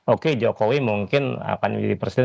oke jokowi mungkin akan menjadi presiden